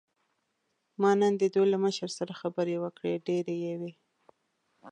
ما نن د دوی له مشر سره خبرې وکړې، ډېرې یې وې.